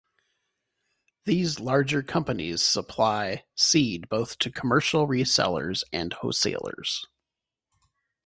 These larger companies supply seed both to commercial resellers and wholesalers.